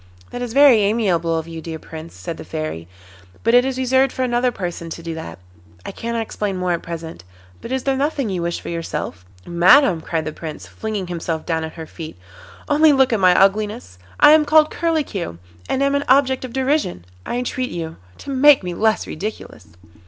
'That is very amiable of you, dear Prince,' said the Fairy, 'but it is reserved for another person to do that. I cannot explain more at present. But is there nothing you wish for yourself?' 'Madam,' cried the Prince, flinging himself down at her feet, 'only look at my ugliness. I am called Curlicue, and am an object of derision; I entreat you to make me less ridiculous.